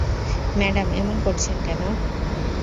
Madam, এমন করছেন কেন?